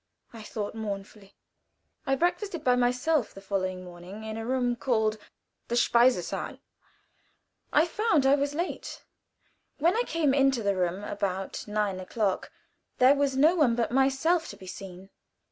I thought, mournfully. I breakfasted by myself the following morning, in a room called the speisesaal. I found I was late. When I came into the room, about nine o'clock, there was no one but myself to be seen.